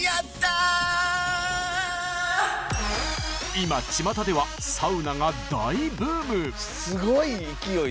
今ちまたではサウナが大ブーム！